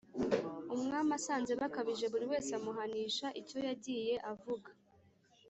umwami asanze bakabije, buri wese amuhanisha icyo yagiye avuga.